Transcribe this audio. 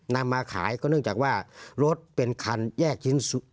นำมาขายก็เนื่องจากว่ารถเป็นคันแยกชิ้น